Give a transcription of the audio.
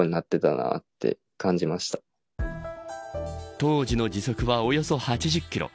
当時の時速はおよそ８０キロ。